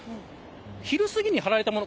昼すぎに張られたもの